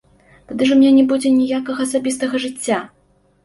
Тады ж у мяне не будзе ніякага асабістага жыцця!